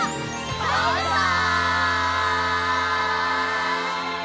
バイバイ！